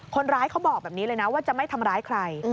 เขาบอกแบบนี้เลยนะว่าจะไม่ทำร้ายใคร